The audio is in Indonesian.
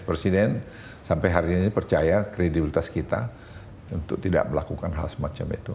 presiden sampai hari ini percaya kredibilitas kita untuk tidak melakukan hal semacam itu